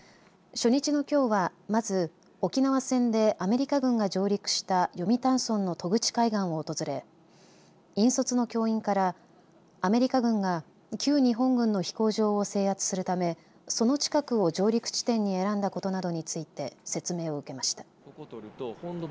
初日のきょうは、まず沖縄戦でアメリカ君が上陸した読谷村の渡具知海岸を連れ引率の教員からアメリカ軍が旧日本軍の飛行場を制圧するためその近くを上陸地点に選んだことなどについて説明を受けました。